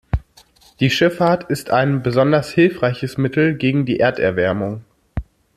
Die Schifffahrt ist ein besonders hilfreiches Mittel gegen die Erderwärmung.